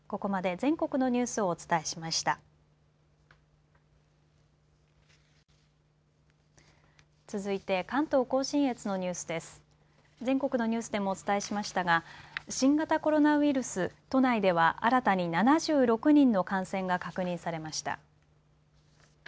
全国のニュースでもお伝えしましたが新型コロナウイルス都内では新たに７６人の感染が確認されました。